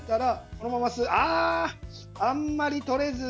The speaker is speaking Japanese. あー、あまり取れず。